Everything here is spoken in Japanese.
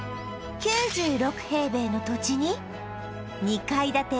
９６平米の土地に２階建て ４ＤＫ